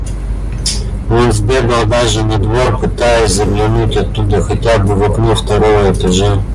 Он сбегал даже на двор, пытаясь заглянуть оттуда хотя бы в окно второго этажа.